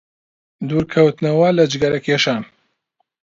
دوورکەوتنەوە لە جگەرەکێشان